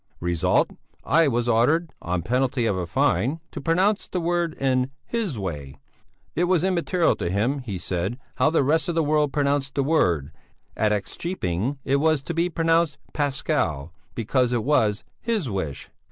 Result: I was ordered, on penalty of a fine, to pronounce the word in his way. It was immaterial to him, he said, how the rest of the world pronounced the word, at X köping it was to be pronounced Pascal, because it was his wish."